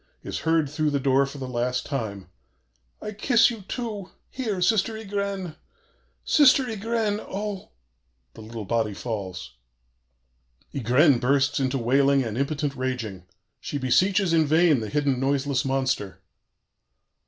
is heard through the door for the last time: 'I kiss you, too here Sister Ygraine! Sister Ygraine! Oh!' The little body falls. "Ygraine bursts into wailing and impotent raging. She beseeches in vain the hidden, noiseless monster....